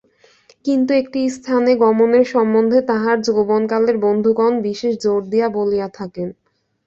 কিন্তু একটি স্থানে গমনের সম্বন্ধে তাঁহার যৌবনকালের বন্ধুগণ বিশেষ জোর দিয়া বলিয়া থাকেন।